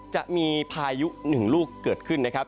จะมีพายุหนึ่งลูกเกิดขึ้นนะครับ